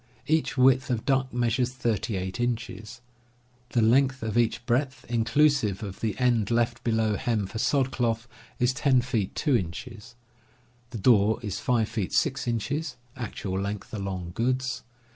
Each width of duck measures 38 inches. The length of each breadth, inclusive of the end left below hem for sod cloth, is 10 feet 2 inches. The door is 5 feet 6 inches (actual length along goods)